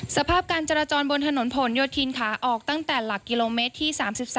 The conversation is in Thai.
สภาพการจราจรบนถนนผลโยธินขาออกตั้งแต่หลักกิโลเมตรที่๓๒